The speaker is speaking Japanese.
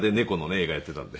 映画やっていたので。